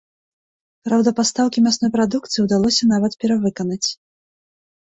Праўда, пастаўкі мясной прадукцыі ўдалося нават перавыканаць.